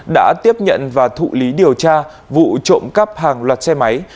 đã tiếp nhận và thụ lý điều tra vụ trộm cắp hàng loạt xe máy